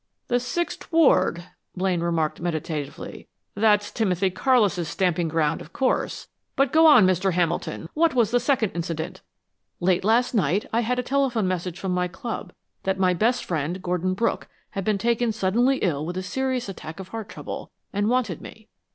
"The sixth ward " Blaine remarked, meditatively. "That's Timothy Carlis' stamping ground, of course. But go on, Mr. Hamilton. What was the second incident?" "Late last night, I had a telephone message from my club that my best friend, Gordon Brooke, had been taken suddenly ill with a serious attack of heart trouble, and wanted me.